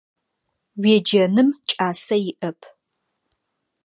Уеджэным кӏасэ иӏэп.